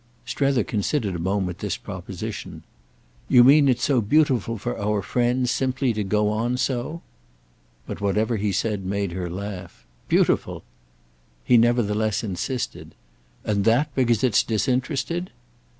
Strether considered a moment this proposition. "You mean it's so beautiful for our friends simply to go on so?" But whatever he said made her laugh. "Beautiful." He nevertheless insisted. "And that because it's disinterested?"